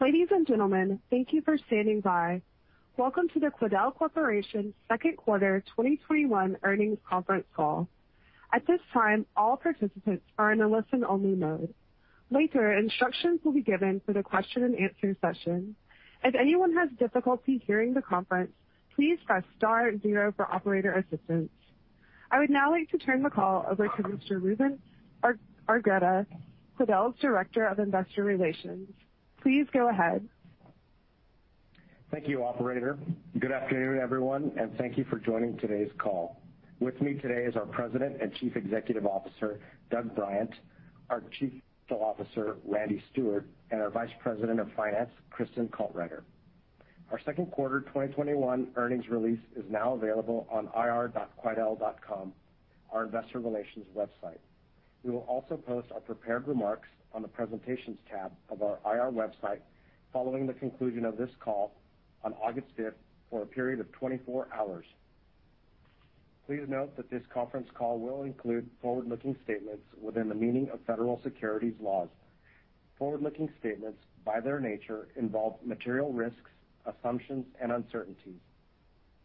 Ladies and gentlemen, thank you for standing by. Welcome to the Quidel Corporation Second Quarter 2021 Earnings Conference Call. At this time, all participants are in a listen-only mode. Later, instructions will be given for the question-and-answer session. If anyone has difficulty hearing the conference, please press star zero for operator assistance. I would now like to turn the call over to Mr. Ruben Argueta, Quidel's Director of Investor Relations. Please go ahead. Thank you, operator. Good afternoon, everyone. Thank you for joining today's call. With me today is our President and Chief Executive Officer, Doug Bryant, our Chief Financial Officer, Randy Steward, and our Vice President of Finance, Kristin Caltrider. Our second quarter 2021 earnings release is now available on ir.quidel.com, our investor relations website. We will also post our prepared remarks on the presentations tab of our IR website following the conclusion of this call on August 5th for a period of 24 hours. Please note that this conference call will include forward-looking statements within the meaning of federal securities laws. Forward-looking statements, by their nature, involve material risks, assumptions, and uncertainties.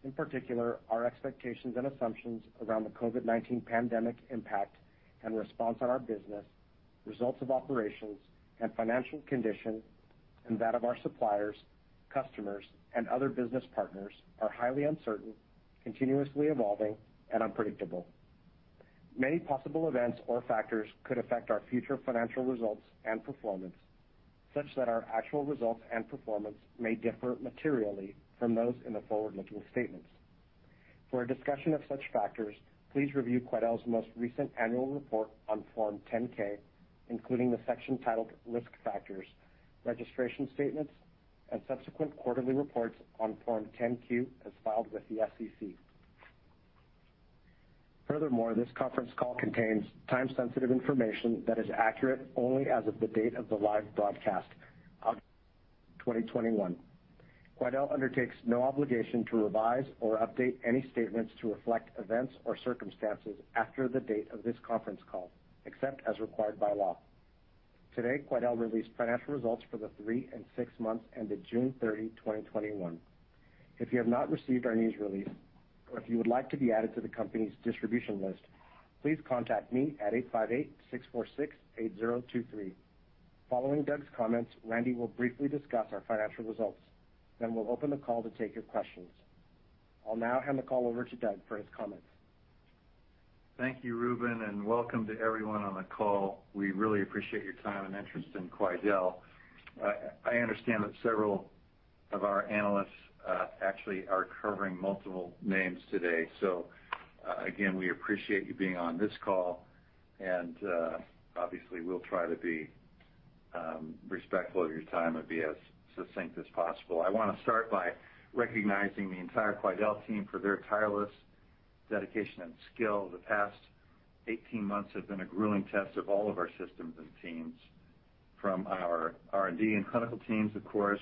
In particular, our expectations and assumptions around the COVID-19 pandemic impact and response on our business, results of operations and financial condition, and that of our suppliers, customers, and other business partners, are highly uncertain, continuously evolving, and unpredictable. Many possible events or factors could affect our future financial results and performance, such that our actual results and performance may differ materially from those in the forward-looking statements. For a discussion of such factors, please review Quidel's most recent annual report on Form 10-K, including the section titled Risk Factors, Registration Statements, and subsequent quarterly reports on Form 10-Q as filed with the SEC. Furthermore, this conference call contains time-sensitive information that is accurate only as of the date of the live broadcast, August 2021. Quidel undertakes no obligation to revise or update any statements to reflect events or circumstances after the date of this conference call, except as required by law. Today, Quidel released financial results for the three and six months ended June 30, 2021. If you have not received our news release or if you would like to be added to the company's distribution list, please contact me at 858-646-8023. Following Doug's comments, Randy will briefly discuss our financial results. Then we'll open the call to take your questions. I'll now hand the call over to Doug for his comments. Thank you, Ruben, and welcome to everyone on the call. We really appreciate your time and interest in Quidel. I understand that several of our analysts actually are covering multiple names today. Again, we appreciate you being on this call and obviously we'll try to be respectful of your time and be as succinct as possible. I want to start by recognizing the entire Quidel team for their tireless dedication and skill. The past 18 months have been a grueling test of all of our systems and teams, from our R&D and clinical teams, of course,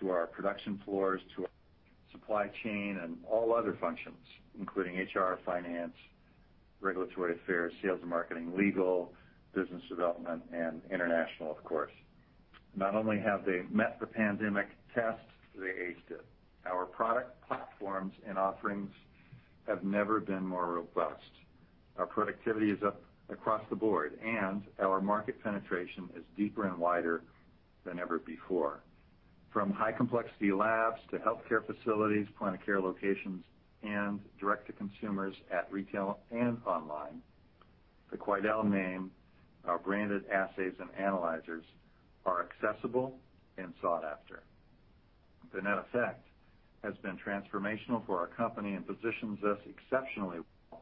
to our production floors, to our supply chain, and all other functions, including HR, finance, regulatory affairs, sales and marketing, legal, business development, and international of course. Not only have they met the pandemic test, they aced it. Our product platforms and offerings have never been more robust. Our productivity is up across the board, and our market penetration is deeper and wider than ever before. From high complexity labs to healthcare facilities, point-of-care locations, and direct to consumers at retail and online, the Quidel name, our branded assays and analyzers are accessible and sought after. The net effect has been transformational for our company and positions us exceptionally well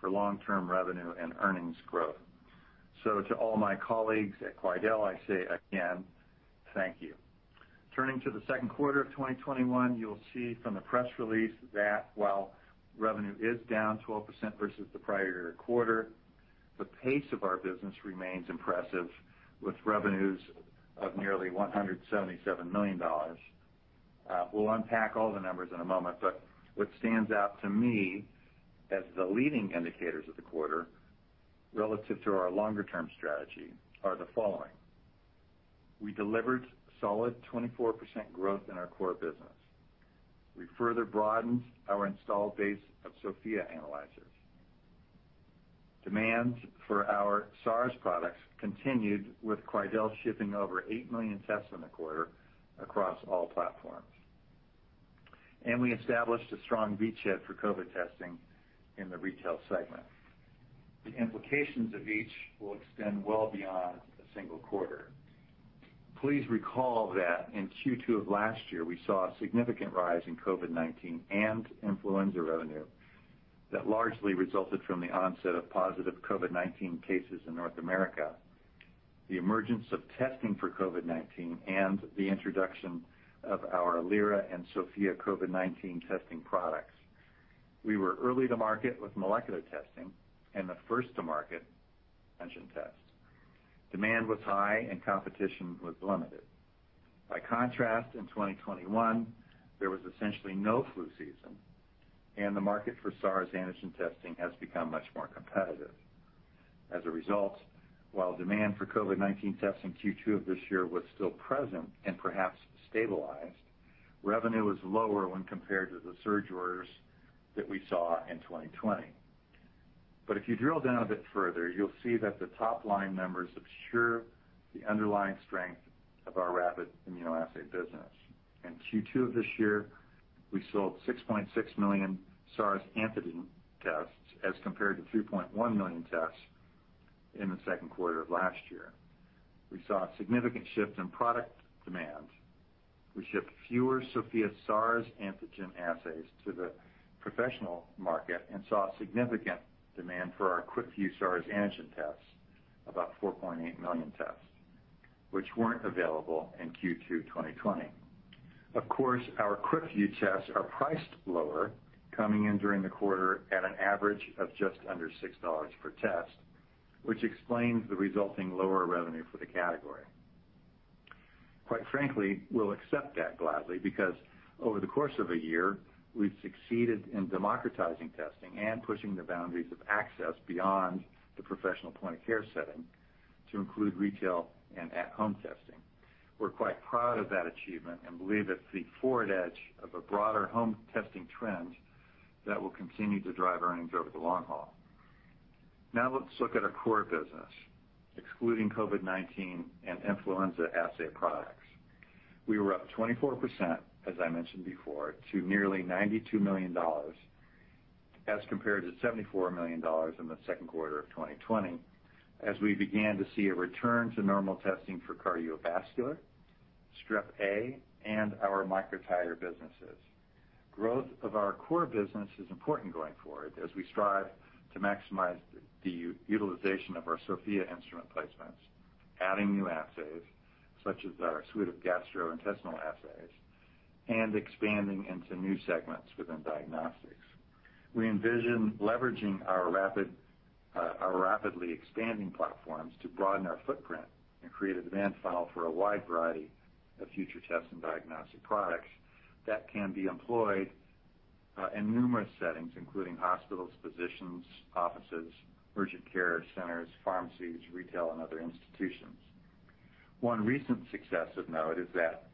for long-term revenue and earnings growth. To all my colleagues at Quidel, I say again, thank you. Turning to the second quarter of 2021, you'll see from the press release that while revenue is down 12% versus the prior year quarter, the pace of our business remains impressive with revenues of nearly $177 million. We'll unpack all the numbers in a moment, but what stands out to me as the leading indicators of the quarter relative to our longer-term strategy are the following. We delivered solid 24% growth in our core business. We further broadened our installed base of Sofia analyzers. Demand for our SARS products continued with Quidel shipping over 8 million tests in the quarter across all platforms. We established a strong beachhead for COVID testing in the retail segment. The implications of each will extend well beyond a single quarter. Please recall that in Q2 of last year, we saw a significant rise in COVID-19 and influenza revenue that largely resulted from the onset of positive COVID-19 cases in North America, the emergence of testing for COVID-19, and the introduction of our Lyra and Sofia COVID-19 testing products. We were early to market with molecular testing and the first to market prevention test. Demand was high, and competition was limited. By contrast, in 2021, there was essentially no flu season, and the market for SARS Antigen testing has become much more competitive. As a result, while demand for COVID-19 tests in Q2 of this year was still present and perhaps stabilized, revenue was lower when compared to the surge orders that we saw in 2020. If you drill down a bit further, you'll see that the top-line numbers obscure the underlying strength of our rapid immunoassay business. In Q2 of this year, we sold 6.6 million SARS Antigen tests as compared to 3.1 million tests in the second quarter of last year. We saw a significant shift in product demand. We shipped fewer Sofia SARS Antigen assays to the professional market and saw significant demand for our QuickVue SARS Antigen tests, about 4.8 million tests, which weren't available in Q2 2020. Of course, our QuickVue tests are priced lower, coming in during the quarter at an average of just under $6 per test, which explains the resulting lower revenue for the category. Quite frankly, we'll accept that gladly because over the course of a year, we've succeeded in democratizing testing and pushing the boundaries of access beyond the professional point-of-care setting to include retail and at-home testing. We're quite proud of that achievement and believe it's the forward edge of a broader home testing trend that will continue to drive earnings over the long haul. Let's look at our core business, excluding COVID-19 and influenza assay products. We were up 24%, as I mentioned before, to nearly $92 million, as compared to $74 million in the second quarter of 2020, as we began to see a return to normal testing for cardiovascular, Strep A, and our MicroVue businesses. Growth of our core business is important going forward as we strive to maximize the utilization of our Sofia instrument placements, adding new assays, such as our suite of gastrointestinal assays, and expanding into new segments within diagnostics. We envision leveraging our rapidly expanding platforms to broaden our footprint and create a demand file for a wide variety of future tests and diagnostic products that can be employed in numerous settings, including hospitals, physicians, offices, urgent care centers, pharmacies, retail, and other institutions. One recent success of note is that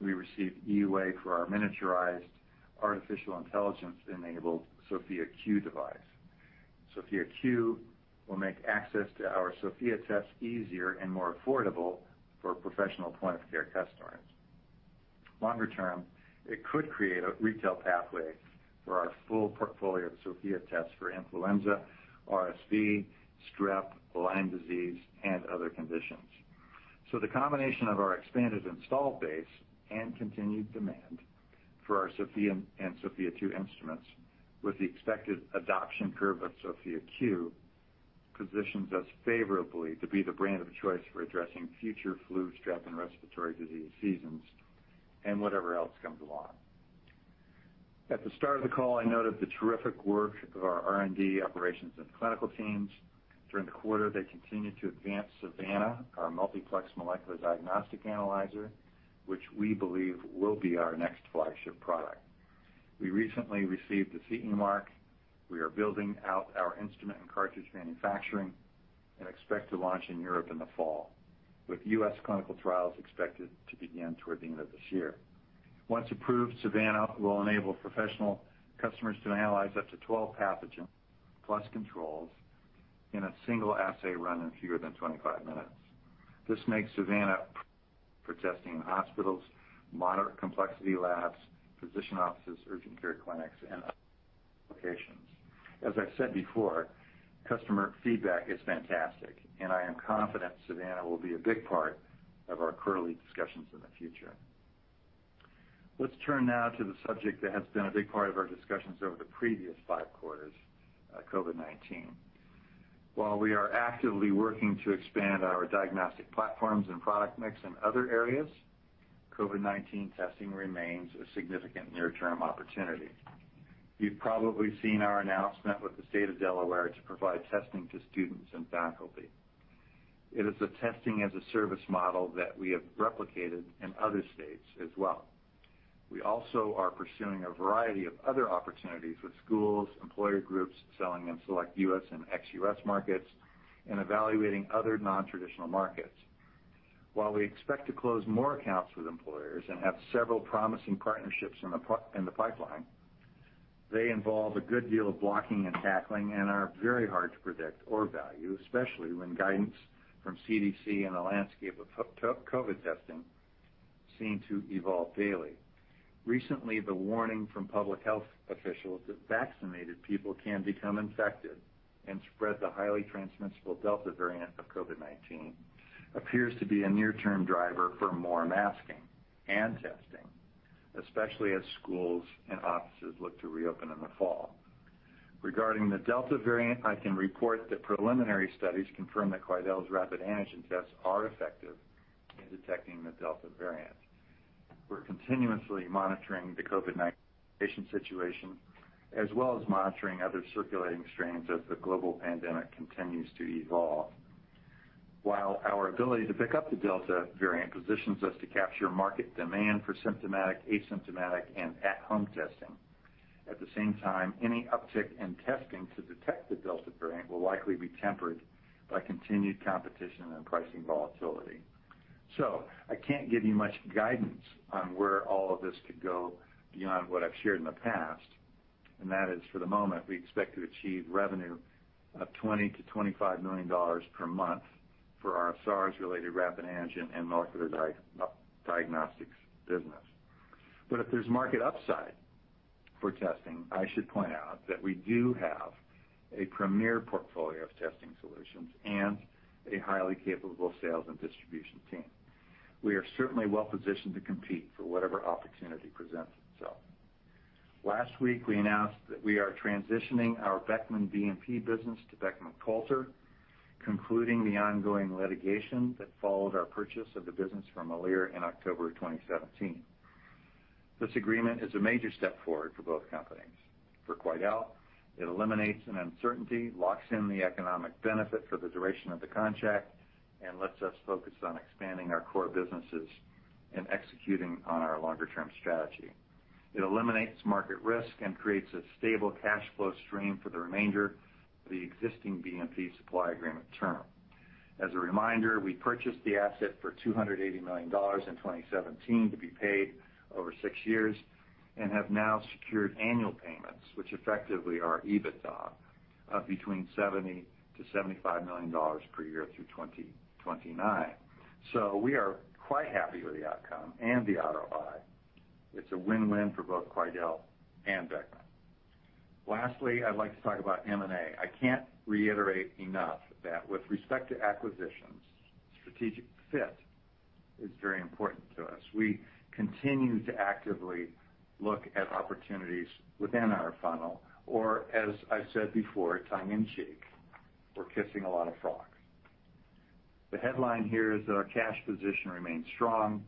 we received EUA for our miniaturized artificial intelligence-enabled Sofia Q device. Sofia Q will make access to our Sofia tests easier and more affordable for professional point-of-care customers. Longer term, it could create a retail pathway for our full portfolio of Sofia tests for influenza, RSV, strep, Lyme disease, and other conditions. The combination of our expanded install base and continued demand for our Sofia and Sofia 2 instruments with the expected adoption curve of Sofia Q positions us favorably to be the brand of choice for addressing future flu, strep, and respiratory disease seasons and whatever else comes along. At the start of the call, I noted the terrific work of our R&D operations and clinical teams. During the quarter, they continued to advance Savanna, our multiplex molecular diagnostic analyzer, which we believe will be our next flagship product. We recently received the CE mark. We are building out our instrument and cartridge manufacturing and expect to launch in Europe in the fall, with U.S. clinical trials expected to begin toward the end of this year. Once approved, Savanna will enable professional customers to analyze up to 12 pathogens plus controls in a single assay run in fewer than 25 minutes. This makes Savanna for testing in hospitals, moderate complexity labs, physician offices, urgent care clinics, and other locations. As I've said before, customer feedback is fantastic, and I am confident Savanna will be a big part of our quarterly discussions in the future. Let's turn now to the subject that has been a big part of our discussions over the previous five quarters, COVID-19. While we are actively working to expand our diagnostic platforms and product mix in other areas, COVID-19 testing remains a significant near-term opportunity. You've probably seen our announcement with the State of Delaware to provide testing to students and faculty. It is a testing-as-a-service model that we have replicated in other states as well. We also are pursuing a variety of other opportunities with schools, employer groups, selling in select U.S. and ex-U.S. markets, and evaluating other non-traditional markets. While we expect to close more accounts with employers and have several promising partnerships in the pipeline, they involve a good deal of blocking and tackling and are very hard to predict or value, especially when guidance from CDC and the landscape of COVID testing seem to evolve daily. Recently, the warning from public health officials that vaccinated people can become infected and spread the highly transmissible Delta variant of COVID-19 appears to be a near-term driver for more masking and testing, especially as schools and offices look to reopen in the fall. Regarding the Delta variant, I can report that preliminary studies confirm that Quidel's rapid antigen tests are effective in detecting the Delta variant. We're continuously monitoring the COVID-19 situation, as well as monitoring other circulating strains as the global pandemic continues to evolve. While our ability to pick up the Delta variant positions us to capture market demand for symptomatic, asymptomatic, and at-home testing. At the same time, any uptick in testing to detect the Delta variant will likely be tempered by continued competition and pricing volatility. I can't give you much guidance on where all of this could go beyond what I've shared in the past, and that is, for the moment, we expect to achieve revenue of $20 million-$25 million per month for our SARS-related rapid antigen and molecular diagnostics business. If there's market upside for testing, I should point out that we do have a premier portfolio of testing solutions and a highly capable sales and distribution team. We are certainly well-positioned to compete for whatever opportunity presents itself. Last week, we announced that we are transitioning our Beckman BNP business to Beckman Coulter, concluding the ongoing litigation that followed our purchase of the business from Alere in October of 2017. This agreement is a major step forward for both companies. For Quidel, it eliminates an uncertainty, locks in the economic benefit for the duration of the contract, and lets us focus on expanding our core businesses and executing on our longer-term strategy. It eliminates market risk and creates a stable cash flow stream for the remainder of the existing BNP supply agreement term. As a reminder, we purchased the asset for $280 million in 2017 to be paid over six years and have now secured annual payments, which effectively are EBITDA, of between $70 million-$75 million per year through 2029. We are quite happy with the outcome and the ROI. It's a win-win for both Quidel and Beckman. Lastly, I'd like to talk about M&A. I can't reiterate enough that with respect to acquisitions, strategic fit is very important to us. We continue to actively look at opportunities within our funnel, or, as I've said before, tongue in cheek, we're kissing a lot of frogs. The headline here is that our cash position remains strong.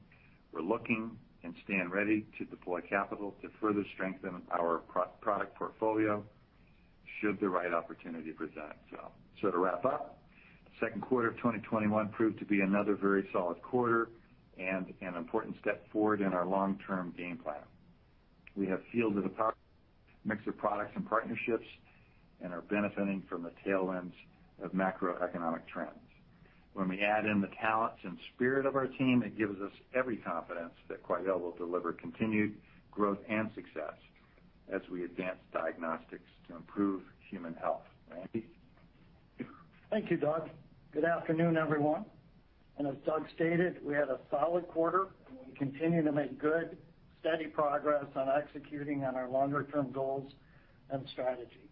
We're looking and stand ready to deploy capital to further strengthen our product portfolio should the right opportunity present itself. To wrap up, the second quarter of 2021 proved to be another very solid quarter and an important step forward in our long-term game plan. We have fielded a powerful mix of products and partnerships and are benefiting from the tailwinds of macroeconomic trends. When we add in the talents and spirit of our team, it gives us every confidence that Quidel will deliver continued growth and success as we advance diagnostics to improve human health. Randy? Thank you, Doug. Good afternoon, everyone, and as Doug stated, we had a solid quarter, and we continue to make good, steady progress on executing on our longer-term goals and strategy.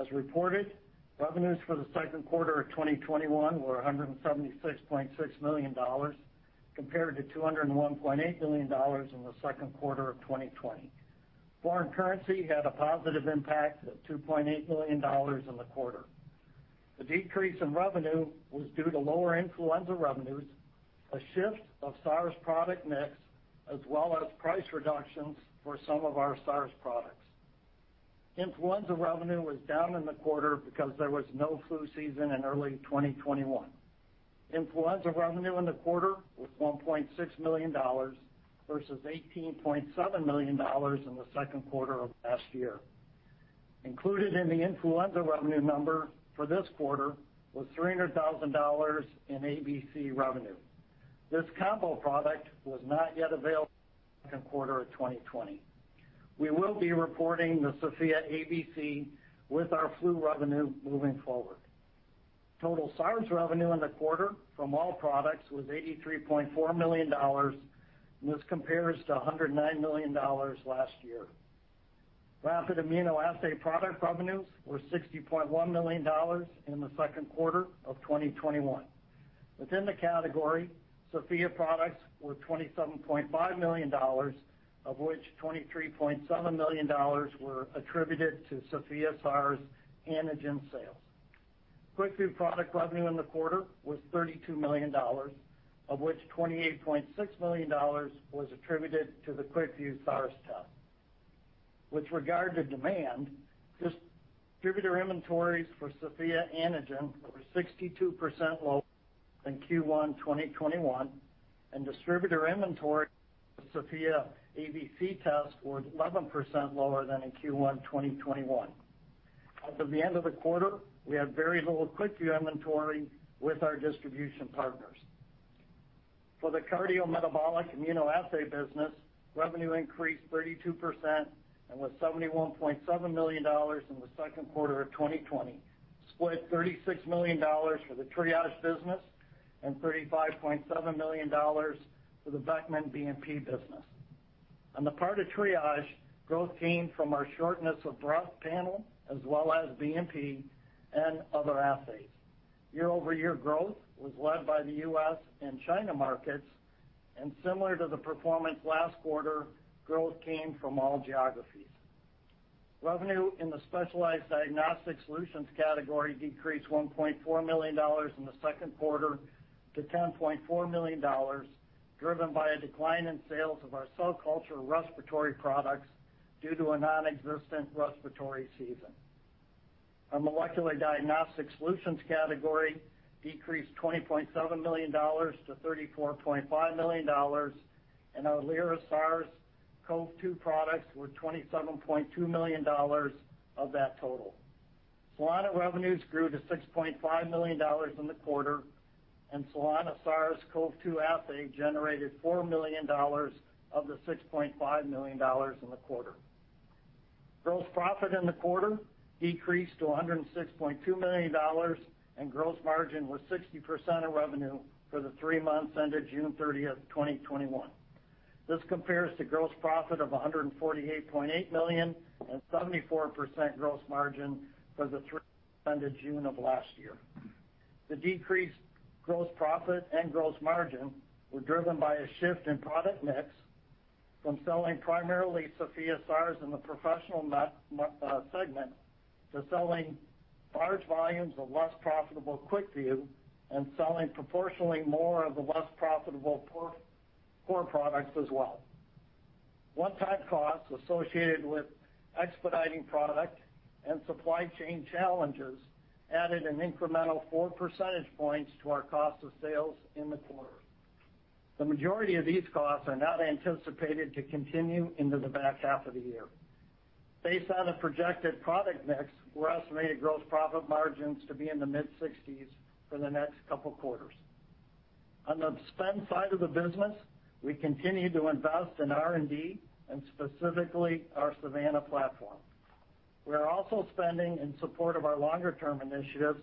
As reported, revenues for the second quarter of 2021 were $176.6 million, compared to $201.8 million in the second quarter of 2020. Foreign currency had a positive impact of $2.8 million in the quarter. The decrease in revenue was due to lower influenza revenues, a shift of SARS product mix, as well as price reductions for some of our SARS products. Influenza revenue was down in the quarter because there was no flu season in early 2021. Influenza revenue in the quarter was $1.6 million versus $18.7 million in the second quarter of last year. Included in the influenza revenue number for this quarter was $300,000 in ABC revenue. This combo product was not yet available in the second quarter of 2020. We will be reporting the Sofia ABC with our flu revenue moving forward. Total SARS revenue in the quarter from all products was $83.4 million, and this compares to $109 million last year. Rapid immunoassay product revenues were $60.1 million in the second quarter of 2021. Within the category, Sofia products were $27.5 million, of which $23.7 million were attributed to Sofia SARS antigen sales. QuickVue product revenue in the quarter was $32 million, of which $28.6 million was attributed to the QuickVue SARS test. With regard to demand, distributor inventories for Sofia antigen were 62% lower than Q1 2021, and distributor inventory for Sofia ABC tests were 11% lower than in Q1 2021. As of the end of the quarter, we have very little QuickVue inventory with our distribution partners. For the cardiometabolic immunoassay business, revenue increased 32% and was $71.7 million in the second quarter of 2020, split $36 million for the Triage business and $35.7 million for the Beckman BNP business. On the part of Triage, growth came from our shortness of breath panel as well as BNP and other assays. Year-over-year growth was led by the U.S. and China markets, similar to the performance last quarter, growth came from all geographies. Revenue in the specialized diagnostic solutions category decreased $1.4 million in the second quarter to $10.4 million, driven by a decline in sales of our QuickVue respiratory products due to a nonexistent respiratory season. Our molecular diagnostic solutions category decreased $20.7 million-$34.5 million, our Lyra SARS-CoV-2 products were $27.2 million of that total. Solana revenues grew to $6.5 million in the quarter, and Solana SARS-CoV-2 Assay generated $4 million of the $6.5 million in the quarter. Gross profit in the quarter decreased to $106.2 million, and gross margin was 60% of revenue for the three months ended June 30th, 2021. This compares to gross profit of $148.8 million and 74% gross margin for the three months ended June of last year. The decreased gross profit and gross margin were driven by a shift in product mix from selling primarily Sofia SARS in the professional segment to selling large volumes of less profitable QuickVue and selling proportionally more of the less profitable POC core products as well. One-time costs associated with expediting product and supply chain challenges added an incremental 4 percentage points to our cost of sales in the quarter. The majority of these costs are not anticipated to continue into the back half of the year. Based on a projected product mix, we're estimating gross profit margins to be in the mid-60s for the next couple of quarters. On the spend side of the business, we continue to invest in R&D and specifically our Savanna platform. We are also spending in support of our longer-term initiatives,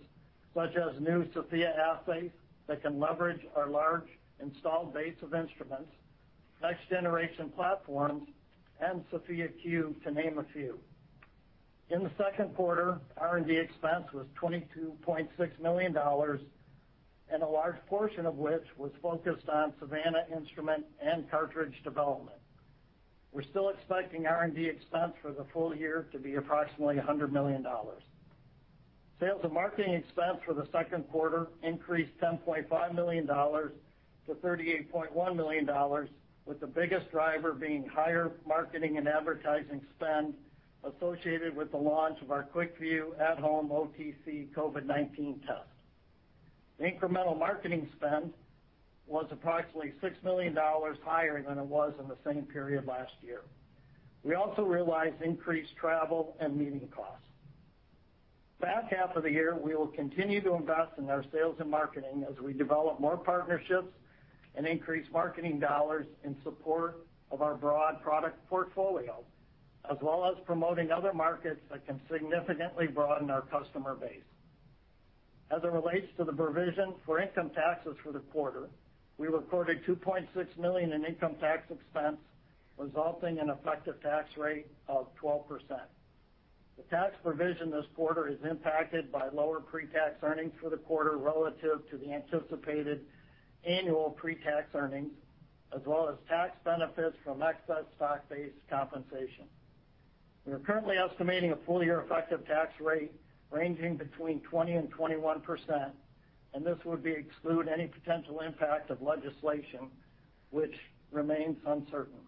such as new Sofia assays that can leverage our large installed base of instruments, next-generation platforms, and Sofia Q, to name a few. In the second quarter, R&D expense was $22.6 million and a large portion of which was focused on Savanna instrument and cartridge development. We're still expecting R&D expense for the full year to be approximately $100 million. Sales and marketing expense for the second quarter increased $10.5 million-$38.1 million, with the biggest driver being higher marketing and advertising spend associated with the launch of our QuickVue At-Home OTC COVID-19 Test. The incremental marketing spend was approximately $6 million higher than it was in the same period last year. We also realized increased travel and meeting costs. Back half of the year, we will continue to invest in our sales and marketing as we develop more partnerships and increase marketing dollars in support of our broad product portfolio, as well as promoting other markets that can significantly broaden our customer base. As it relates to the provision for income taxes for the quarter, we recorded $2.6 million in income tax expense, resulting in effective tax rate of 12%. The tax provision this quarter is impacted by lower pre-tax earnings for the quarter relative to the anticipated annual pre-tax earnings, as well as tax benefits from excess stock-based compensation. We are currently estimating a full-year effective tax rate ranging 20%-21%. This would exclude any potential impact of legislation which remains uncertain.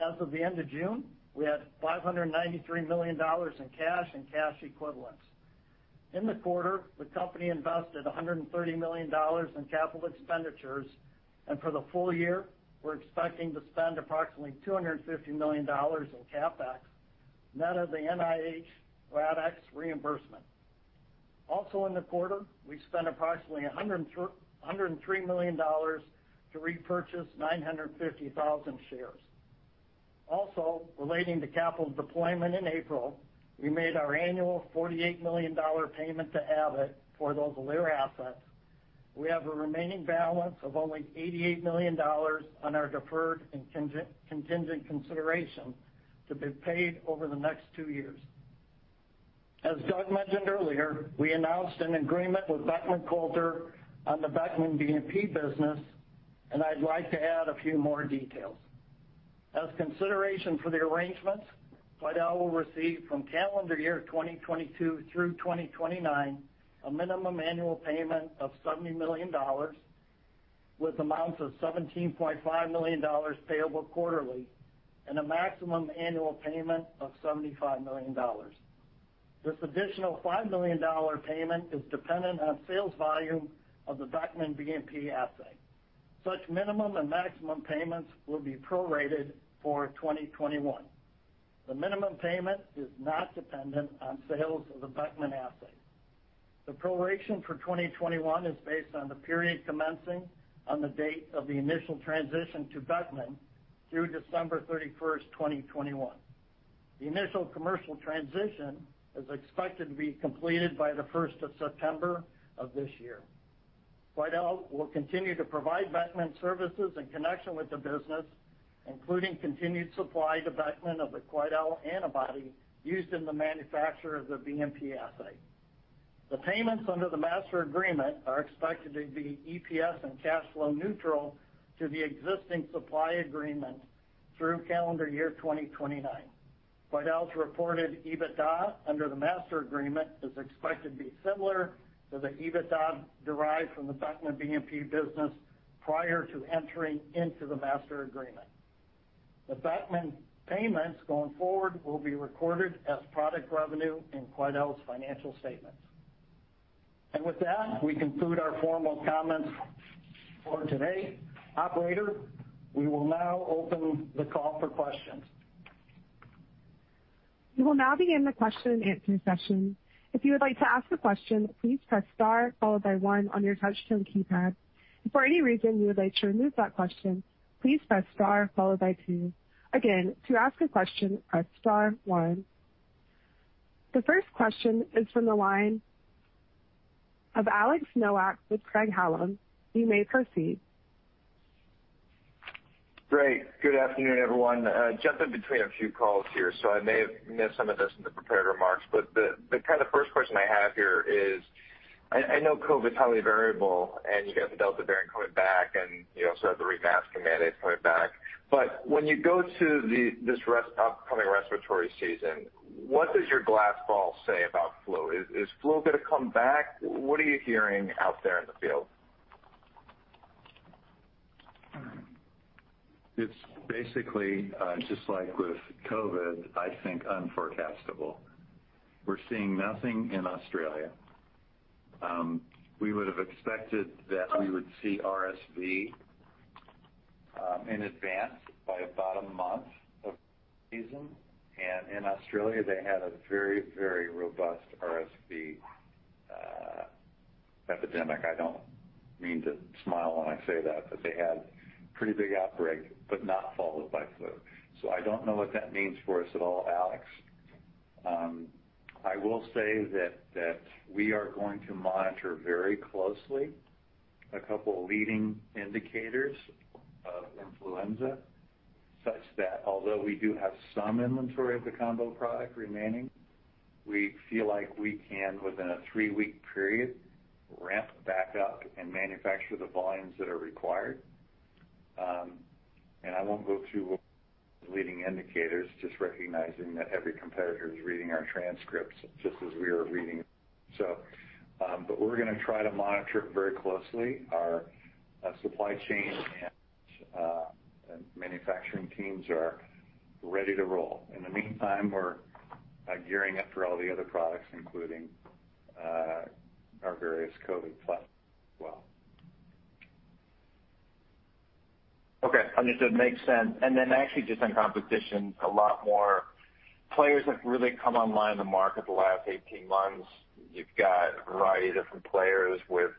As of the end of June, we had $593 million in cash and cash equivalents. In the quarter, the company invested $130 million in capital expenditures. For the full year, we're expecting to spend approximately $250 million in CapEx, net of the NIH RADx reimbursement. Also, in the quarter, we spent approximately $103 million to repurchase 950,000 shares. Also, relating to capital deployment in April, we made our annual $48 million payment to Abbott for those Lyra assets. We have a remaining balance of only $88 million on our deferred contingent consideration to be paid over the next two years. As Doug mentioned earlier, we announced an agreement with Beckman Coulter on the Beckman BNP business, and I'd like to add a few more details. As consideration for the arrangements, Quidel will receive from calendar year 2022 through 2029, a minimum annual payment of $70 million, with amounts of $17.5 million payable quarterly and a maximum annual payment of $75 million. This additional $5 million payment is dependent on sales volume of the Beckman BNP assay. Such minimum and maximum payments will be prorated for 2021. The minimum payment is not dependent on sales of the Beckman assay. The proration for 2021 is based on the period commencing on the date of the initial transition to Beckman through December 31st, 2021. The initial commercial transition is expected to be completed by the 1st of September of this year. Quidel will continue to provide Beckman services in connection with the business, including continued supply to Beckman of the Quidel antibody used in the manufacture of the BMP assay. The payments under the master agreement are expected to be EPS and cash flow neutral to the existing supply agreement through calendar year 2029. Quidel's reported EBITDA under the master agreement is expected to be similar to the EBITDA derived from the Beckman BNP business prior to entering into the master agreement. The Beckman payments going forward will be recorded as product revenue in Quidel's financial statements. With that, we conclude our formal comments for today. Operator, we will now open the call for questions. We will now begin the question and answer session. If you would like to ask a question, please press star followed by one on your touchtone keypad. For any reason you would like to retract your question, please press star followed by two. Again, to ask a question, press star followed by one. The first question is from the line of Alex Nowak with Craig-Hallum. You may proceed. Great. Good afternoon, everyone. Jumping between a few calls here, so I may have missed some of this in the prepared remarks, but the first question I have here is, I know COVID's highly variable, and you've got the Delta variant coming back, and you also have the re-mask mandate coming back. When you go to this upcoming respiratory season, what does your glass ball say about flu? Is flu going to come back? What are you hearing out there in the field? It's basically, just like with COVID, I think, unforecastable. We're seeing nothing in Australia. We would have expected that we would see RSV in advance by about a month of season. In Australia, they had a very robust RSV epidemic. I don't mean to smile when I say that, but they had pretty big outbreak, but not followed by flu. I don't know what that means for us at all, Alex. I will say that we are going to monitor very closely a couple leading indicators of influenza, such that although we do have some inventory of the combo product remaining, we feel like we can, within a three-week period, ramp back up and manufacture the volumes that are required. I won't go through leading indicators, just recognizing that every competitor is reading our transcripts just as we are reading. We're going to try to monitor it very closely. Our supply chain and manufacturing teams are ready to roll. In the meantime, we're gearing up for all the other products, including our various COVID plus as well. Okay, understood. Makes sense. Actually just on competition a lot more. Players have really come online in the market the last 18 months. You've got a variety of different players with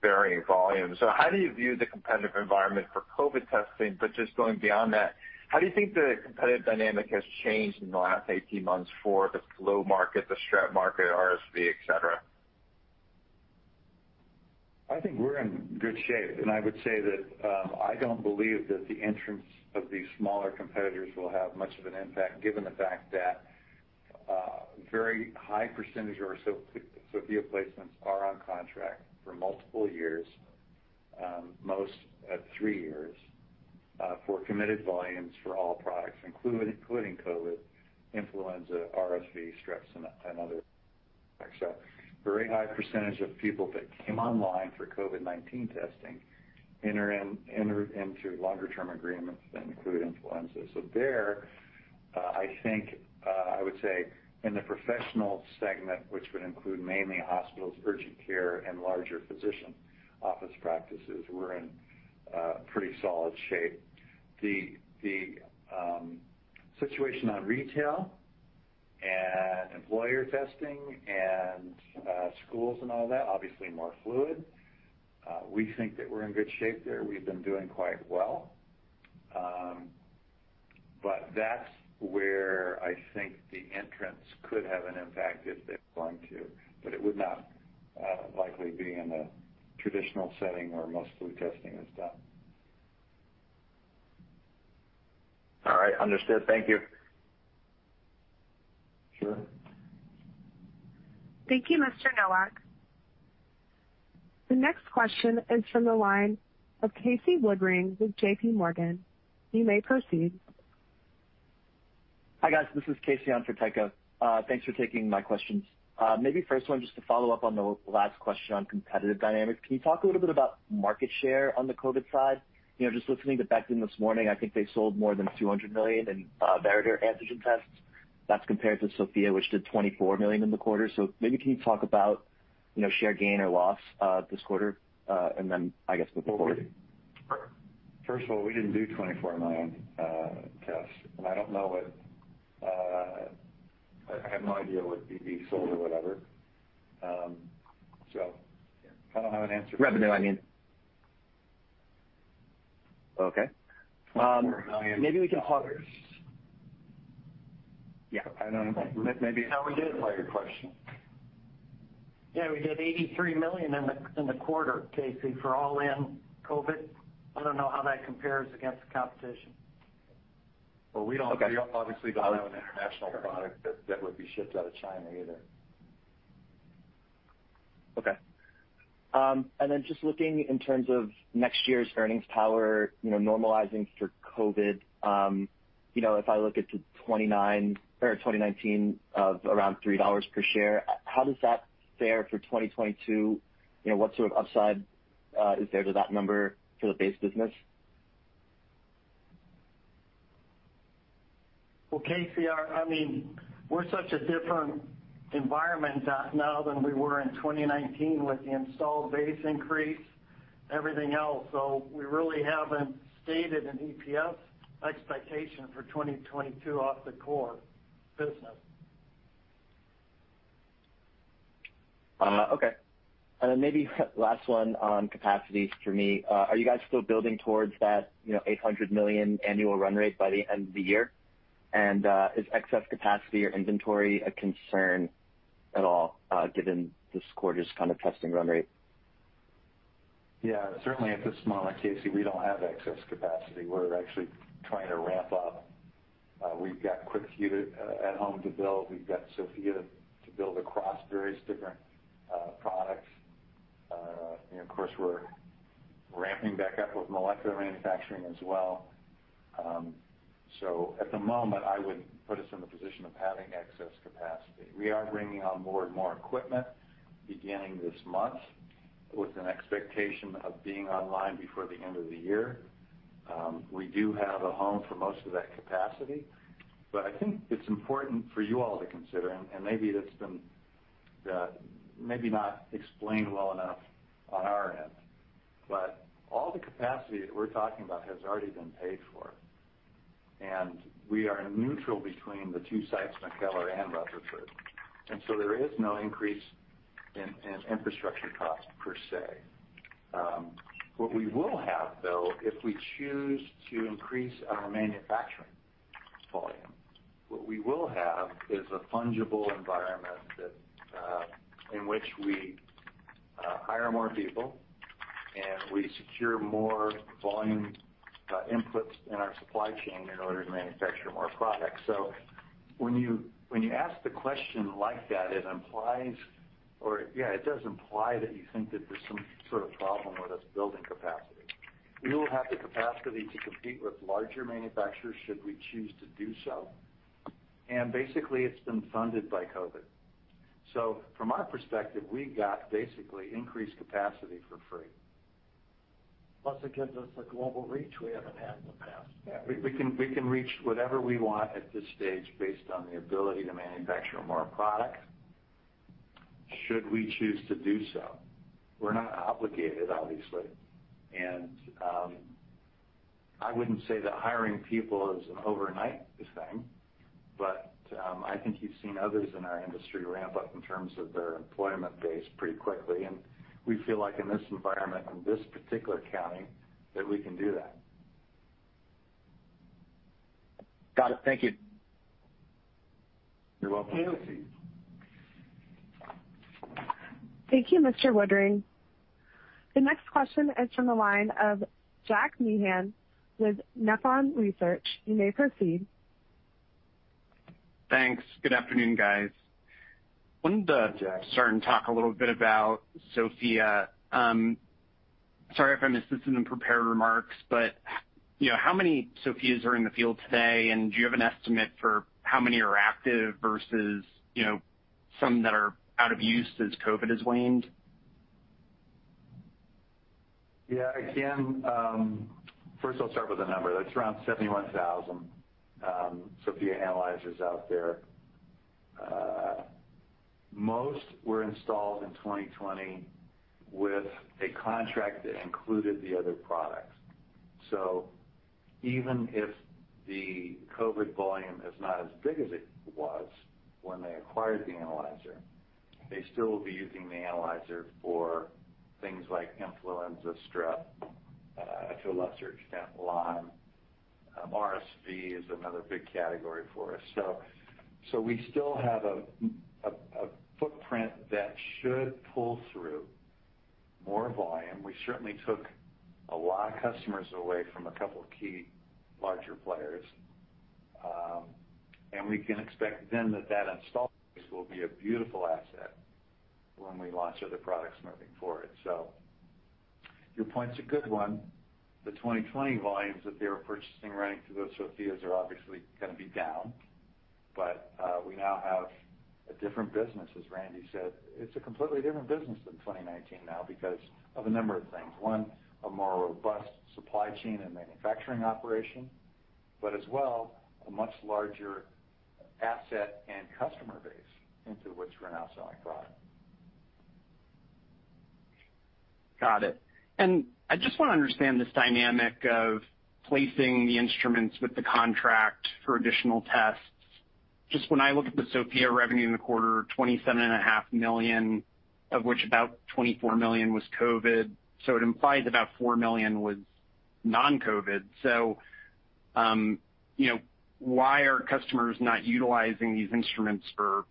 varying volumes. How do you view the competitive environment for COVID testing? Just going beyond that, how do you think the competitive dynamic has changed in the last 18 months for the flu market, the strep market, RSV, et cetera? I think we're in good shape, and I would say that I don't believe that the entrance of these smaller competitors will have much of an impact given the fact that a very high percentage of our Sofia placements are on contract for multiple years, most at three years, for committed volumes for all products, including COVID-19, influenza, RSV, Strep A, and others. A very high percentage of people that came online for COVID-19 testing entered into longer-term agreements that include influenza. There, I would say in the professional segment, which would include mainly hospitals, urgent care, and larger physician office practices, we're in pretty solid shape. The situation on retail and employer testing and schools and all that is obviously more fluid. We think that we're in good shape there. We've been doing quite well. That's where I think the entrants could have an impact if they're going to, but it would not likely be in the traditional setting where most flu testing is done. All right. Understood. Thank you. Sure. Thank you, Mr. Nowak. The next question is from the line of Casey Woodring with JPMorgan. You may proceed. Hi, guys. This is Casey on for Tycho. Thanks for taking my questions. Maybe first one, just to follow up on the last question on competitive dynamics, can you talk a little bit about market share on the COVID side? Just listening to Beckman this morning, I think they sold more than $200 million in Veritor antigen tests. That's compared to Sofia, which did $24 million in the quarter. Maybe can you talk about share gain or loss this quarter? I guess look forward. First of all, we didn't do 24 million tests, and I have no idea what BD sold or whatever. I don't have an answer. Revenue, I mean. Okay. $24 million. Maybe we can- Yeah. I don't know. How'd we do? How we'd clarify your question. Yeah, we did $83 million in the quarter, Casey, for all in COVID. I don't know how that compares against the competition. Well, we obviously don't have an international product that would be shipped out of China either. Okay. Just looking in terms of next year's earnings power, normalizing for COVID, if I look at 2019 of around $3 per share, how does that fare for 2022? What sort of upside is there to that number for the base business? Well, Casey, we're such a different environment now than we were in 2019 with the installed base increase, everything else. We really haven't stated an EPS expectation for 2022 off the core business. Okay. Maybe last one on capacities for me. Are you guys still building towards that 800 million annual run rate by the end of the year? Is excess capacity or inventory a concern at all given this quarter's kind of testing run rate? Certainly at this moment, Casey, we don't have excess capacity. We're actually trying to ramp up. We've got QuickVue at home to build. We've got Sofia to build across various different products. Of course, we're ramping back up with molecular manufacturing as well. At the moment, I wouldn't put us in the position of having excess capacity. We are bringing on more and more equipment beginning this month with an expectation of being online before the end of the year. We do have a home for most of that capacity, but I think it's important for you all to consider, and maybe that's been maybe not explained well enough on our end, but all the capacity that we're talking about has already been paid for, and we are neutral between the two sites, McKellar and Rutherford. There is no increase in infrastructure cost per se. What we will have, though, if we choose to increase our manufacturing volume, what we will have is a fungible environment in which we hire more people and we secure more volume inputs in our supply chain in order to manufacture more product. When you ask the question like that, it does imply that you think that there's some sort of problem with us building capacity. We will have the capacity to compete with larger manufacturers should we choose to do so, and basically it's been funded by COVID. From our perspective, we got basically increased capacity for free. It gives us a global reach we haven't had in the past. Yeah. We can reach whatever we want at this stage based on the ability to manufacture more product should we choose to do so. We're not obligated, obviously. I wouldn't say that hiring people is an overnight thing, but I think you've seen others in our industry ramp up in terms of their employment base pretty quickly, and we feel like in this environment, in this particular county, that we can do that. Got it. Thank you. You're welcome. Casey. Thank you, Mr. Woodring. The next question is from the line of Jack Meehan with Nephron Research. You may proceed. Thanks. Good afternoon, guys. Jack. Start and talk a little bit about Sofia. Sorry if I missed this in the prepared remarks, but how many Sofias are in the field today, and do you have an estimate for how many are active versus some that are out of use as COVID has waned? Yeah. Again, first I'll start with a number. There's around 71,000 Sofia analyzers out there. Most were installed in 2020 with a contract that included the other products. Even if the COVID volume is not as big as it was when they acquired the analyzer, they still will be using the analyzer for things like influenza, strep, to a lesser extent Lyme. RSV is another big category for us. We still have a footprint that should pull through more volume. We certainly took a lot of customers away from a couple of key larger players. We can expect then that that install base will be a beautiful asset when we launch other products moving forward. Your point's a good one. The 2020 volumes that they were purchasing running through those Sofias are obviously going to be down. We now have a different business, as Randy said. It's a completely different business than 2019 now because of a number of things. One, a more robust supply chain and manufacturing operation, but as well, a much larger asset and customer base into which we're now selling product. Got it. I just want to understand this dynamic of placing the instruments with the contract for additional tests. Just when I look at the Sofia revenue in the quarter, $27.5 million, of which about $24 million was COVID, so it implies about $4 million was non-COVID. Why are customers not utilizing these instruments for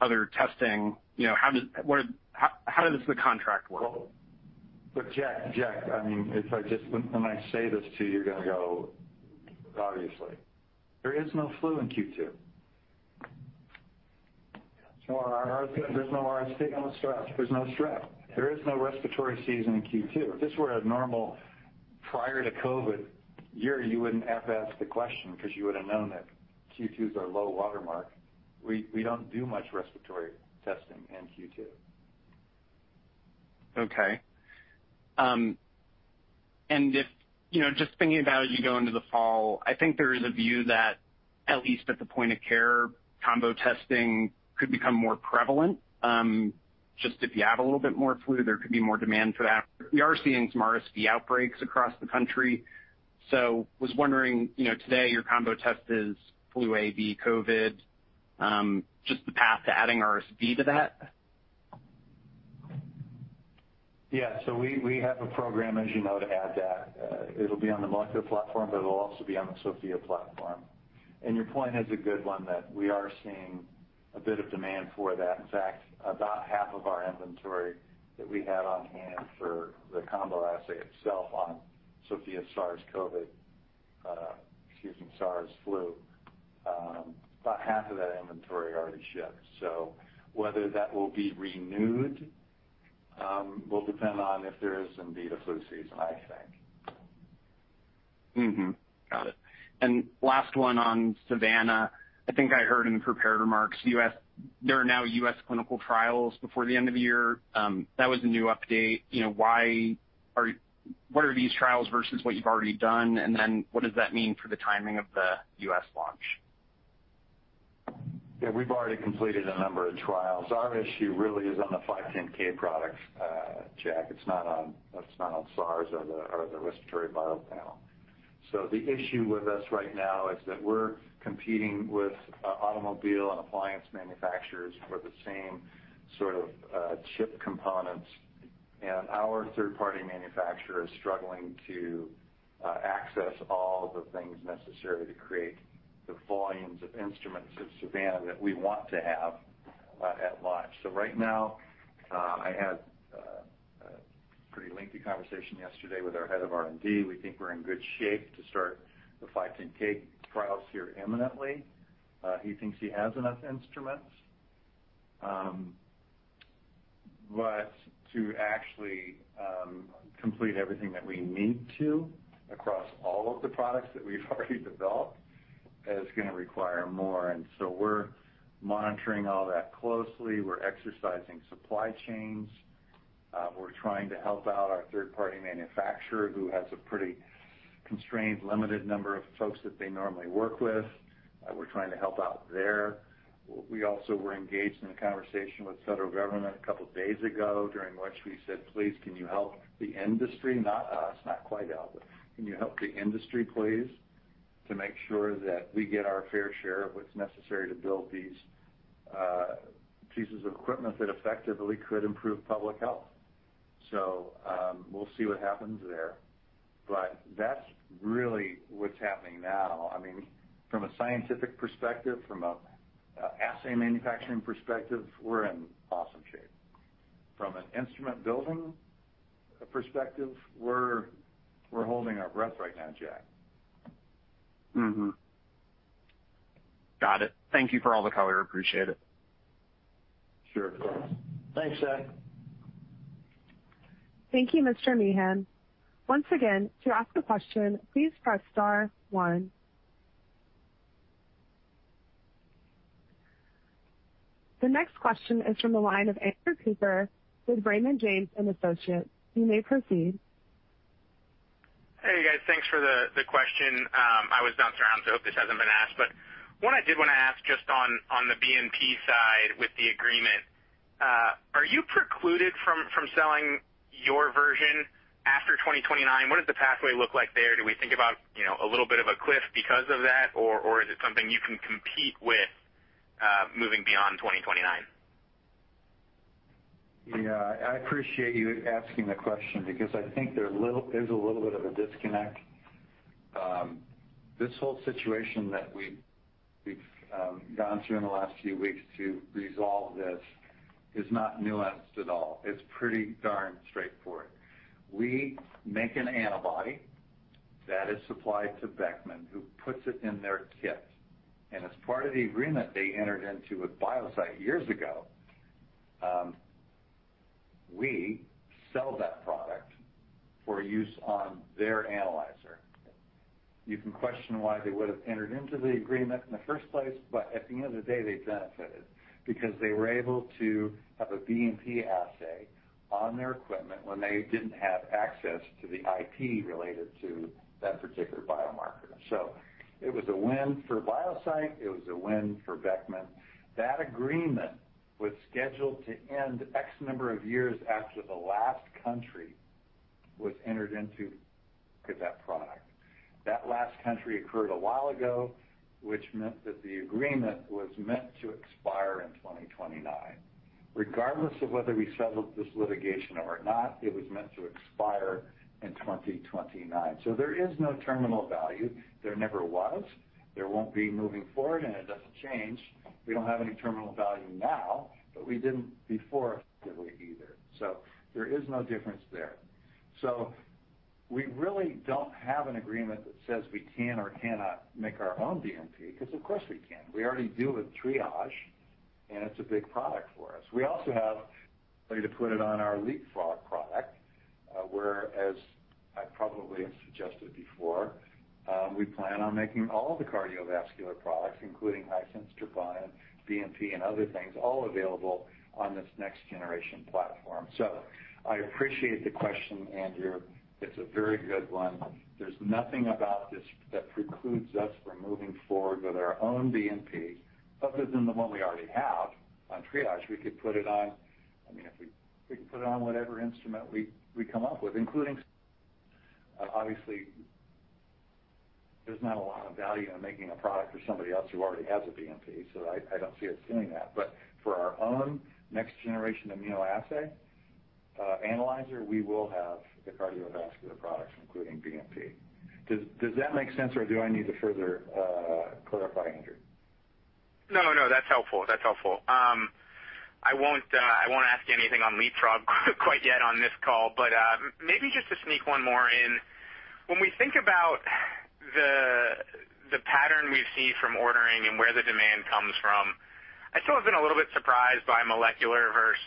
other testing? How does the contract work? Jack, when I say this to you're going to go, "Obviously." There is no flu in Q2. There's no RSV, no strep. There is no respiratory season in Q2. If this were a normal prior to COVID year, you wouldn't have asked the question because you would have known that Q2 is our low watermark. We don't do much respiratory testing in Q2. Okay. Just thinking about as you go into the fall, I think there is a view that at least at the point of care, combo testing could become more prevalent. Just if you have a little bit more flu, there could be more demand for that. We are seeing some RSV outbreaks across the country, was wondering, today your combo test is flu A, B, COVID, just the path to adding RSV to that? Yeah. We have a program, as you know, to add that. It'll be on the molecular platform, but it'll also be on the Sofia platform. Your point is a good one, that we are seeing a bit of demand for that. In fact, about 1/2 of our inventory that we had on hand for the combo assay itself on Sofia SARS COVID, excuse me, SARS flu, about 1/2 of that inventory already shipped. Whether that will be renewed, will depend on if there is indeed a flu season, I think. Got it. Last one on Savanna. I think I heard in the prepared remarks, there are now U.S. clinical trials before the end of the year. That was the new update. What are these trials versus what you've already done, and then what does that mean for the timing of the U.S. launch? Yeah. We've already completed a number of trials. Our issue really is on the 510 products, Jack. It is not on SARS or the respiratory viral panel. The issue with us right now is that we are competing with automobile and appliance manufacturers for the same sort of chip components, and our third-party manufacturer is struggling to access all the things necessary to create the volumes of instruments of Savanna that we want to have at launch. Right now, I had a pretty lengthy conversation yesterday with our head of R&D. We think we are in good shape to start the 510 trials here imminently. He thinks he has enough instruments. To actually complete everything that we need to across all of the products that we have already developed is going to require more. We are monitoring all that closely. We are exercising supply chains. We're trying to help out our third-party manufacturer who has a pretty constrained, limited number of folks that they normally work with. We're trying to help out there. We also were engaged in a conversation with the federal government a couple of days ago, during which we said, "Please, can you help the industry?" Not us, not Quidel, but "Can you help the industry, please, to make sure that we get our fair share of what's necessary to build these pieces of equipment that effectively could improve public health?" We'll see what happens there, but that's really what's happening now. From a scientific perspective, from an assay manufacturing perspective, we're in awesome shape. From an instrument building perspective, we're holding our breath right now, Jack. Got it. Thank you for all the color. Appreciate it. Sure. Thanks, Jack. Thank you, Mr. Meehan. Once again, to ask a question, please press star one. The next question is from the line of Andrew Cooper with Raymond James & Associates. You may proceed. Hey, guys. Thanks for the question. I was bounced around, so I hope this hasn't been asked. What I did want to ask just on the BNP side with the agreement, are you precluded from selling your version after 2029? What does the pathway look like there? Do we think about a little bit of a cliff because of that, or is it something you can compete with moving beyond 2029? Yeah. I appreciate you asking the question because I think there's a little bit of a disconnect. This whole situation that we've gone through in the last few weeks to resolve this is not nuanced at all. It's pretty darn straightforward. We make an antibody that is supplied to Beckman, who puts it in their kit. As part of the agreement they entered into with Biosite years ago, we sell that product for use on their analyzer. You can question why they would have entered into the agreement in the first place, at the end of the day, they benefited because they were able to have a BMP assay on their equipment when they didn't have access to the IP related to that particular biomarker. It was a win for Biosite. It was a win for Beckman. That agreement was scheduled to end X number of years after the last country was entered into with that product. That last country occurred a while ago, which meant that the agreement was meant to expire in 2029. Regardless of whether we settled this litigation or not, it was meant to expire in 2029. There is no terminal value. There never was. There won't be moving forward, and it doesn't change. We don't have any terminal value now, but we didn't before effectively either. There is no difference there. We really don't have an agreement that says we can or cannot make our own BNP, because of course we can. We already do with Triage, and it's a big product for us. We also have way to put it on our Leapfrog product, where, as I probably have suggested before, we plan on making all the cardiovascular products, including high-sensitivity troponin, BNP, and other things, all available on this next-generation platform. I appreciate the question, Andrew. It's a very good one. There's nothing about this that precludes us from moving forward with our own BNP other than the one we already have on Triage. We could put it on whatever instrument we come up with, including, obviously, there's not a lot of value in making a product for somebody else who already has a BNP. I don't see us doing that. For our own next-generation immunoassay analyzer, we will have the cardiovascular products, including BNP. Does that make sense, or do I need to further clarify, Andrew? No, that's helpful. I won't ask you anything on Leapfrog quite yet on this call, but maybe just to sneak one more in. When we think about the pattern we see from ordering and where the demand comes from, I still have been a little bit surprised by molecular versus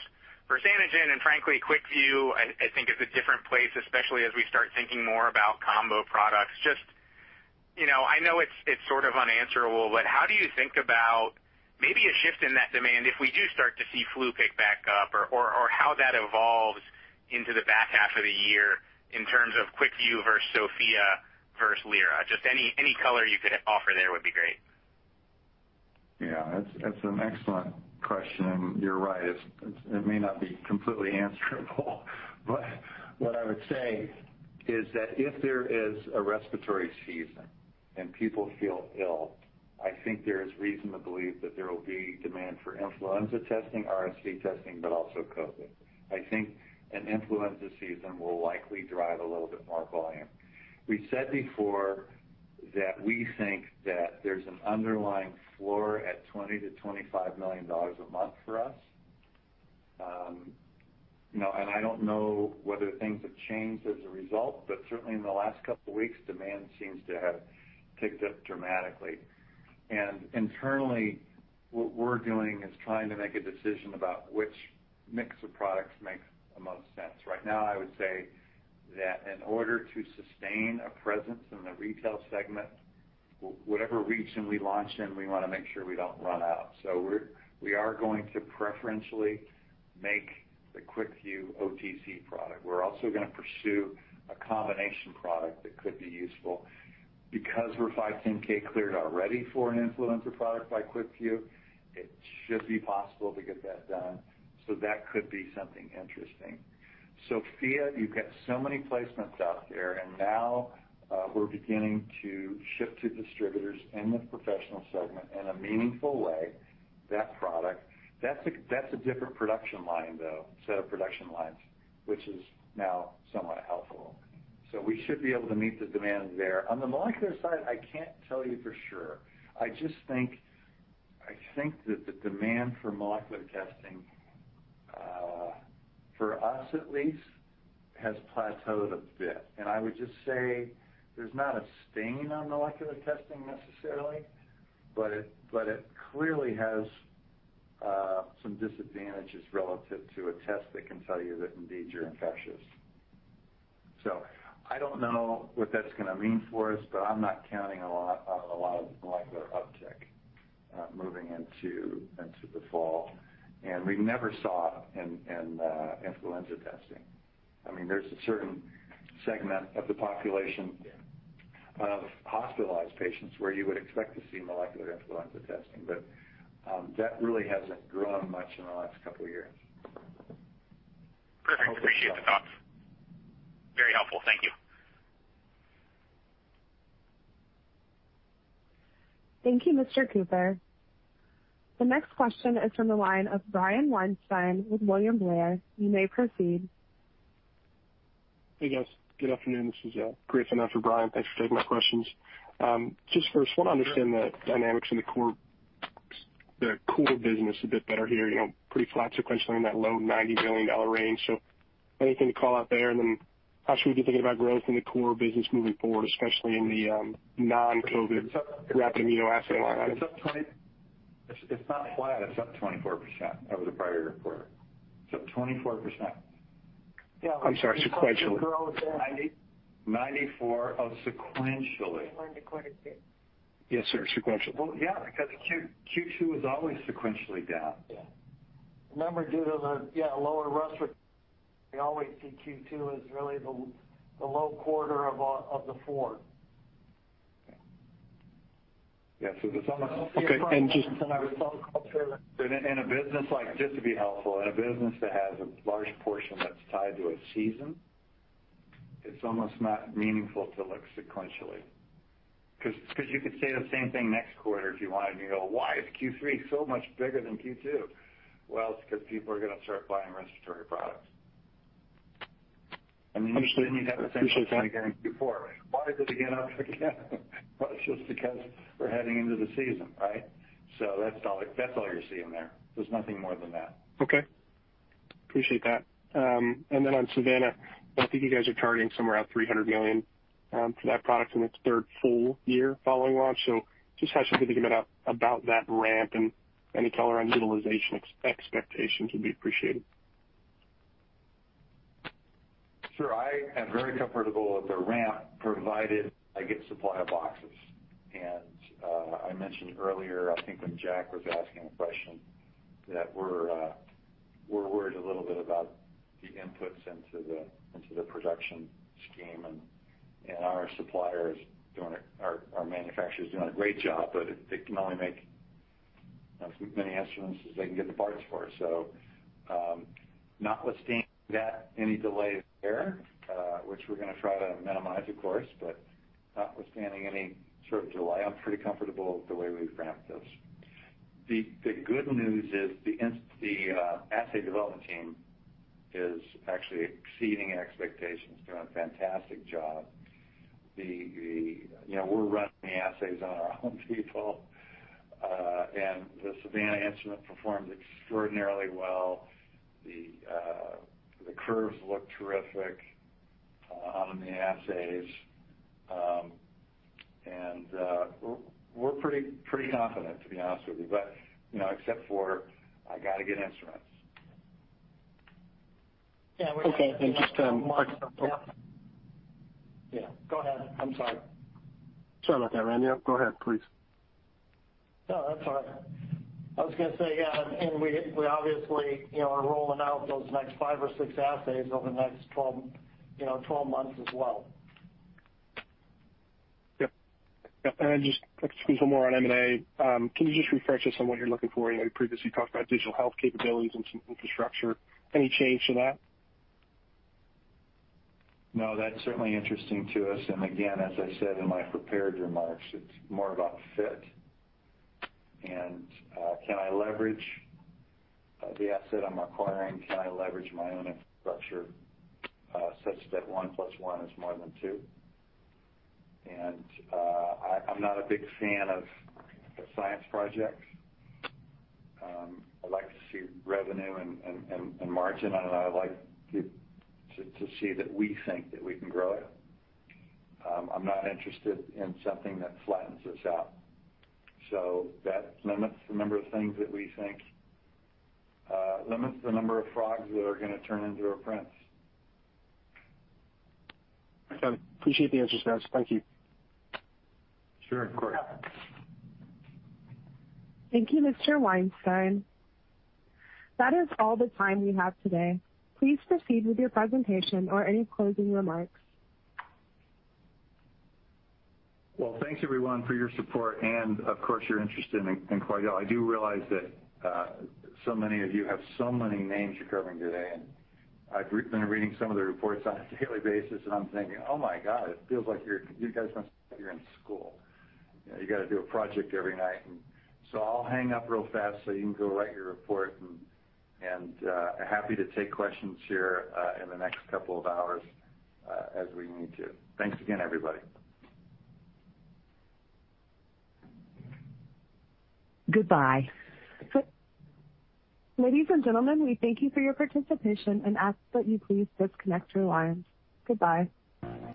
antigen, and frankly, QuickVue I think is a different place, especially as we start thinking more about combo products. I know it's sort of unanswerable, but how do you think about maybe a shift in that demand if we do start to see flu pick back up or how that evolves into the back half of the year in terms of QuickVue versus Sofia versus Lyra? Just any color you could offer there would be great. Yeah. That's an excellent question. You're right. It may not be completely answerable, but what I would say is that if there is a respiratory season and people feel ill, I think there is reason to believe that there will be demand for influenza testing, RSV testing, but also COVID. I think an influenza season will likely drive a little bit more volume. We said before that we think that there's an underlying floor at $20 million-$25 million a month for us. I don't know whether things have changed as a result, but certainly in the last couple of weeks, demand seems to have ticked up dramatically. Internally, what we're doing is trying to make a decision about which mix of products makes the most sense. Right now, I would say that in order to sustain a presence in the retail segment, whatever region we launch in, we want to make sure we don't run out. We are going to preferentially make the QuickVue OTC product. We're also going to pursue a combination product that could be useful. Because we're 510(k) cleared already for an influenza product by QuickVue, it should be possible to get that done. That could be something interesting. Sofia, you've got so many placements out there, and now we're beginning to ship to distributors in the professional segment in a meaningful way, that product. That's a different production line, though, set of production lines, which is now somewhat helpful. We should be able to meet the demand there. On the molecular side, I can't tell you for sure. I just think that the demand for molecular testing, for us at least, has plateaued a bit. I would just say there's not a stain on molecular testing necessarily, but it clearly has some disadvantages relative to a test that can tell you that indeed you're infectious. I don't know what that's going to mean for us, but I'm not counting a lot of molecular uptick moving into the fall. We never saw in influenza testing. There's a certain segment of the population of hospitalized patients where you would expect to see molecular influenza testing, but that really hasn't grown much in the last couple of years. Perfect. Appreciate the thoughts. Very helpful. Thank you. Thank you, Mr. Cooper. The next question is from the line of Brian Weinstein with William Blair. You may proceed. Hey, guys. Good afternoon. This is Brian. Thanks for taking my questions. I just first want to understand the dynamics in the core business a bit better here. Pretty flat sequentially in that low $90 million range. Anything to call out there? How should we be thinking about growth in the core business moving forward, especially in the non-COVID rapid immunoassay line? It's not flat. It's up 24% over the prior quarter. It's up 24%. I'm sorry, sequentially. 94% of sequentially. And learn the quarter fit. Yes, Sir. Sequentially. Well, yeah, because Q2 is always sequentially down. Yeah. Remember due to the lower respiratory, we always see Q2 as really the low quarter of the four. Yeah. Okay. In a business like, just to be helpful, in a business that has a large portion that's tied to a season, it's almost not meaningful to look sequentially because you could say the same thing next quarter if you wanted to go, "Why is Q3 so much bigger than Q2?" Well, it's because people are going to start buying respiratory products. Then you'd have the same thing again in Q4. Why did it again up again? Well, it's just because we're heading into the season, right? That's all you're seeing there. There's nothing more than that. Okay. Appreciate that. On Savanna, I think you guys are targeting somewhere around $300 million for that product in its third full year following launch. Just how should we think about that ramp and any color on utilization expectations would be appreciated? Sure. I am very comfortable with the ramp provided I get supply of boxes. I mentioned earlier, I think when Jack was asking a question, that we're worried a little bit about the inputs into the production scheme and our manufacturer's doing a great job, but they can only make as many instruments as they can get the parts for. Notwithstanding that, any delay there, which we're going to try to minimize of course, but notwithstanding any sort of delay, I'm pretty comfortable with the way we've ramped this. The good news is the assay development team is actually exceeding expectations, doing a fantastic job. We're running the assays on our own people and the Savanna instrument performs extraordinarily well. The curves look terrific on the assays. We're pretty confident to be honest with you, except for I got to get instruments. Yeah, we- Okay. Mark- Yeah. Go ahead. I'm sorry. Sorry about that, Randy. Go ahead, please. No, that's all right. I was going to say, we obviously are rolling out those next five or six assays over the next 12 months as well. Yep. Just to squeeze one more on M&A, can you just refresh us on what you're looking for? You previously talked about digital health capabilities and some infrastructure. Any change to that? No, that's certainly interesting to us. Again, as I said in my prepared remarks, it's more about fit and can I leverage the asset I'm acquiring? Can I leverage my own infrastructure such that 1 + 1 is more than two? I'm not a big fan of science projects. I like to see revenue and margin on it. I like to see that we think that we can grow it. I'm not interested in something that flattens us out. That limits the number of frogs that are going to turn into a prince. Okay. Appreciate the answers, guys. Thank you. Sure. Of course. Thank you, Mr. Weinstein. That is all the time we have today. Please proceed with your presentation or any closing remarks. Well, thanks everyone for your support and of course your interest in Quidel. I do realize that so many of you have so many names you're covering today, and I've been reading some of the reports on a daily basis, and I'm thinking, "Oh my God, it feels like you guys must think you're in school." You got to do a project every night. I'll hang up real fast so you can go write your report, and happy to take questions here in the next couple of hours as we need to. Thanks again, everybody. Goodbye. Ladies and gentlemen, we thank you for your participation and ask that you please disconnect your lines. Goodbye.